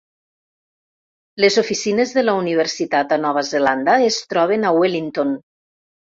Les oficines de la universitat a Nova Zelanda es troben a Wellington.